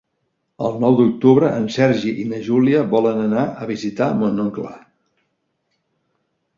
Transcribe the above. El nou d'octubre en Sergi i na Júlia volen anar a visitar mon oncle.